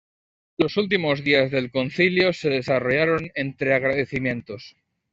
Los últimos días del concilio se desarrollaron entre agradecimientos.